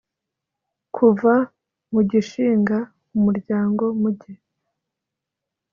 kuva mugishinga umuryango muge